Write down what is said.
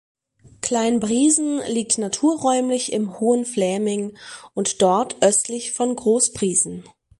Klein Briesen liegt naturräumlich im Hohen Fläming und dort östlich von Groß Briesen.